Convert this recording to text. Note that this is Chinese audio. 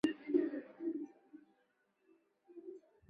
菲斯特是位于美国亚利桑那州阿帕契县的一个非建制地区。